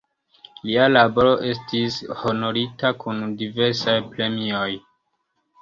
Lia laboro estis honorita kun diversaj premioj.